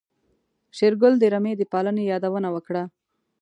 شېرګل د رمې د پالنې يادونه وکړه.